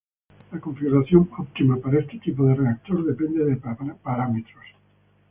La configuración óptima para este tipo de reactor depende de parámetros.